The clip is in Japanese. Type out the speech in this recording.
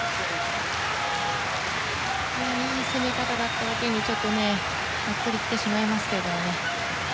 いい攻め方だっただけにちょっとガックリきてしまいますけどね。